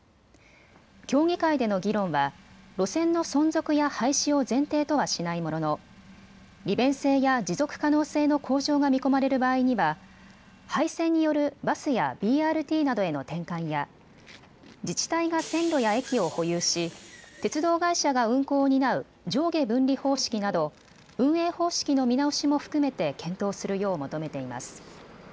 協議会での議論は路線の存続や廃止を前提とはしないものの利便性や持続可能性の向上が見込まれる場合には廃線によるバスやＢＲＴなどへの転換や自治体が線路や駅を保有し鉄道会社が運行を担う上下分離方式など運営方式の見直しも含めて検討するよう求めています。